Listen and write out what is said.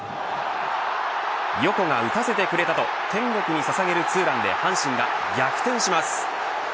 横が打たせてくれたと天国にささげるツーランで阪神が逆転します。